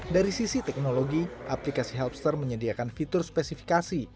dari sisi teknologi aplikasi helpster menyediakan fitur spesifikasi